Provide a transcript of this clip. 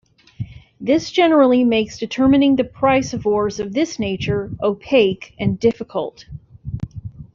This generally makes determining the price of ores of this nature opaque and difficult.